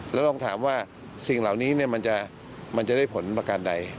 แล้วลองถามว่าสิ่งเหล่านี้มันจะได้ผลประการใด